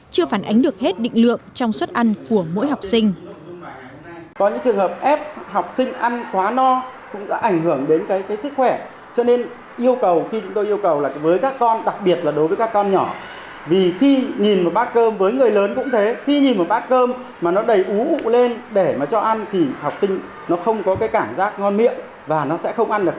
chưa phản ánh được hết định lượng trong suất ăn của mỗi học sinh